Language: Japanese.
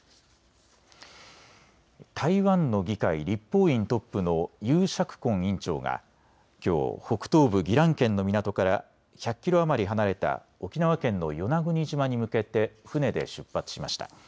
台湾の議会、立法院トップの游錫こん院長がきょう北東部宜蘭県の港から１００キロ余り離れた沖縄県の与那国島に向けて船で出発しました。